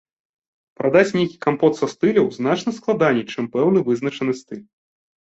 Прадаць нейкі кампот са стыляў значна складаней, чым пэўны вызначаны стыль.